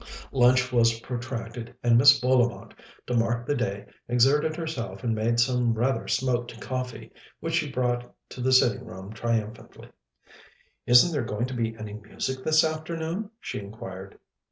Lunch was protracted, and Mrs. Bullivant, to mark the day, exerted herself and made some rather smoked coffee, which she brought to the sitting room triumphantly. "Isn't there going to be any music this afternoon?" she inquired.